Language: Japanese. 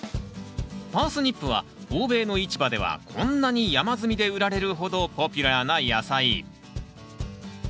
パースニップは欧米の市場ではこんなに山積みで売られるほどポピュラーな野菜。